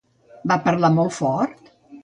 Va parlar molt fort?